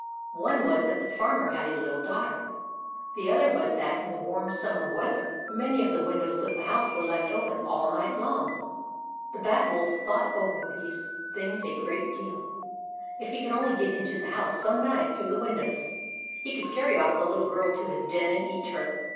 One was that the Farmer had a little daughter ; the other was that, in the warm summer weather, many of the win dows of the house were left open all night long. The Bad Wolf thought over those things a great deal. If he could only get into the house some night through the windows, he could carry off the little girl to his den and eat her.